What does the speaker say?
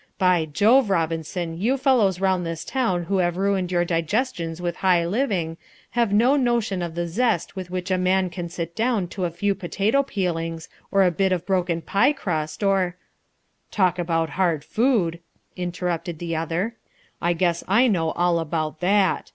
By Jove, Robinson, you fellows round this town who have ruined your digestions with high living, have no notion of the zest with which a man can sit down to a few potato peelings, or a bit of broken pie crust, or " "Talk about hard food," interrupted the other, "I guess I know all about that.